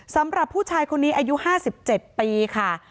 สำหรับผู้ชายคนนี้อายุ๕๗ปีค่ะ